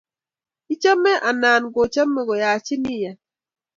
ichame anan komechome koyachin iyai